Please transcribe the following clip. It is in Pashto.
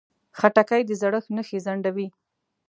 خټکی د زړښت نښې ځنډوي.